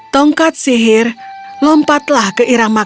tongkat sihir lompatlah ke iramayu